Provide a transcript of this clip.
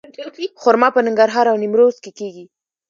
خرما په ننګرهار او نیمروز کې کیږي.